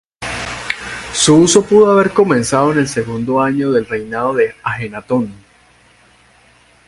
Su uso pudo haber comenzado en el segundo año del reinado de Ajenatón.